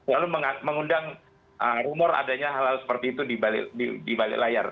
lalu mengundang rumor adanya hal hal seperti itu di balik layar